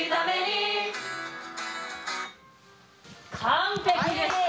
完璧ですね。